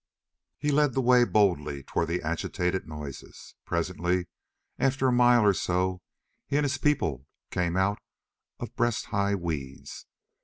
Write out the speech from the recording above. He led the way boldly toward the agitated noises. Presently after a mile or so he and his people came out of breast high weeds.